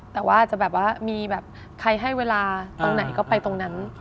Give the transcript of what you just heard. แต่ว่าจะแบบว่ามีแบบใครให้เวลาตรงไหนก็ไปตรงนั้น